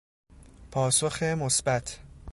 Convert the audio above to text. پاسخ مثبت